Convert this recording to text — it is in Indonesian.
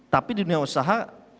tapi di dunia usaha